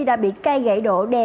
đã bị cây gãy đổ đè